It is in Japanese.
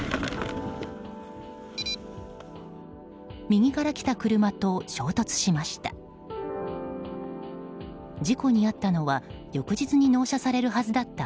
右から来た車と衝突しました。